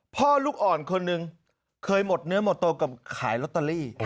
พ่อลูกอ่อนคนหนึ่งเคยหมดเนื้อหมดตัวกับขายลอตเตอรี่